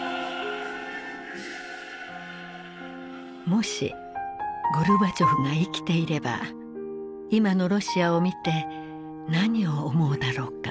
もしゴルバチョフが生きていれば今のロシアを見て何を思うだろうか。